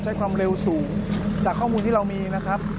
ใช้ความเร็วสูงจากข้อมูลที่เรามีนะครับ